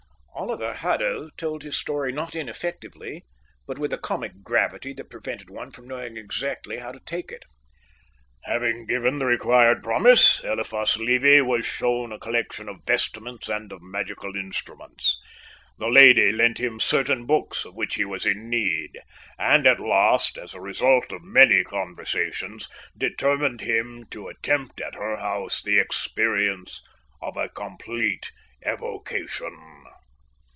'" Oliver Haddo told his story not ineffectively, but with a comic gravity that prevented one from knowing exactly how to take it. "Having given the required promise Eliphas Levi was shown a collection of vestments and of magical instruments. The lady lent him certain books of which he was in need; and at last, as a result of many conversations, determined him to attempt at her house the experience of a complete evocation.